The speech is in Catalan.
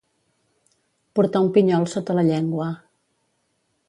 Portar un pinyol sota la llengua.